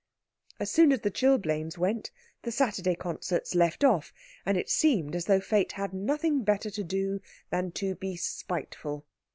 As soon as the chilblains went, the Saturday concerts left off, and it seemed as though Fate had nothing better to do than to be spiteful.